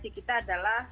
tetapi koreksi kita adalah